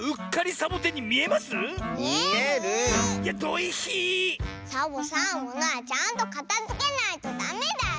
サボさんものはちゃんとかたづけないとダメだよ。